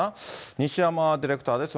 西山ディレクターです。